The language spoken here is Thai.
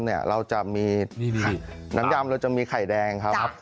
ข้างบัวแห่งสันยินดีต้อนรับทุกท่านนะครับ